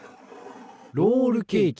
ロールケーキ。